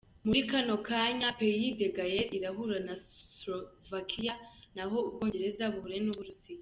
Muri kano kanya Pays des Gales irahura na Slovakia, nayo Ubwongereza buhure n'Uburusiya.